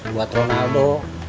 sembilan ratus buat ronaldo